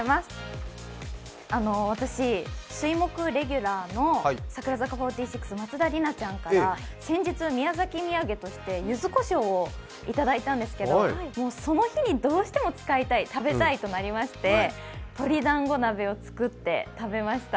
私、水・木レギュラーの櫻坂４６・松田里奈ちゃんから先日、宮崎土産としてゆずこしょうをいただいたんですけれどもその日にどうしても使いたい、食べたいとなりまして鶏団子鍋を作って食べました。